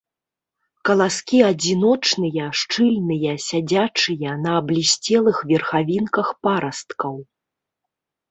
Каласкі адзіночныя, шчыльныя, сядзячыя, на аблісцелых верхавінках парасткаў.